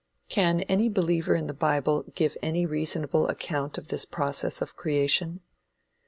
Can any believer in the bible give any reasonable account of this process of creation?